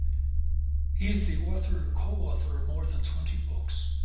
He is author or co-author of more than twenty books.